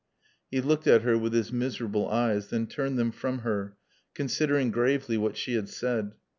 He looked at her with his miserable eyes, then turned them from her, considering gravely what she had said.